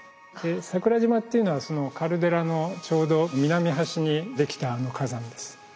桜島っていうのはカルデラのちょうど南端にできた火山です。